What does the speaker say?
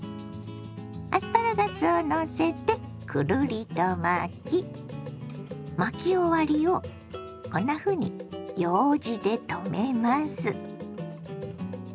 アスパラガスをのせてくるりと巻き巻き終わりをこんなふうにようじでとめます。